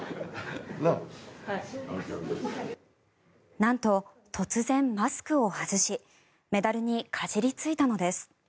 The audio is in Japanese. なんと突然、マスクを外しメダルにかじりついたのです。